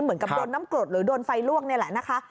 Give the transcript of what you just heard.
เหมือนกับโดนน้ำกรดหรือโดนไฟลวกนี่แหละนะคะ